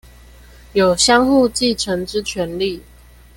有相互繼承之權利